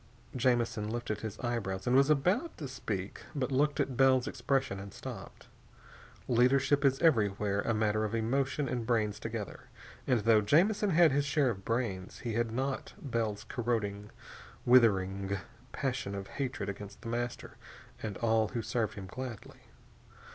Jamison lifted his eyebrows and was about to speak, but looked at Bell's expression and stopped. Leadership is everywhere a matter of emotion and brains together, and though Jamison had his share of brains, he had not Bell's corroding, withering passion of hatred against The Master and all who served him gladly.